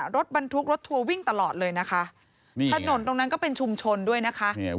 รถบรรทุกรถทัวร์วิ่งตลอดเลยนะคะนี่ถนนตรงนั้นก็เป็นชุมชนด้วยนะคะ